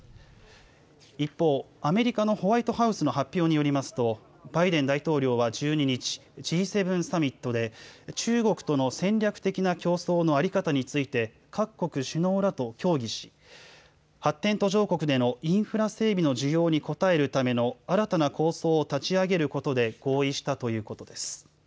一方アメリカのホワイトハウスの発表によりますとバイデン大統領は１２日Ｇ７サミットで中国との戦略的な競争の在り方について各国首脳らと協議し発展途上国でのインフラ整備の需要に応えるための新たな構想を立ち上げることで合意したということです。